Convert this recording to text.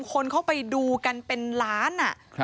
คนเข้าไปดูกันเป็นล้าน